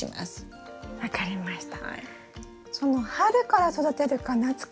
うん分かりました。